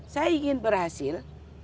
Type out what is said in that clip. saya ingin berhasil